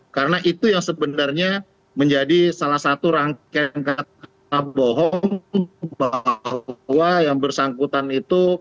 karena itu yang sebenarnya menjadi salah satu rangkaian kata bohong bahwa yang bersangkutan itu